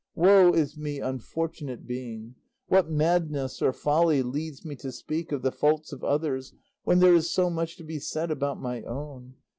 Woe is me, unfortunate being! What madness or folly leads me to speak of the faults of others, when there is so much to be said about my own?